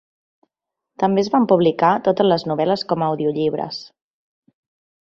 També es van publicar totes les novel·les com a audiollibres.